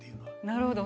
なるほど。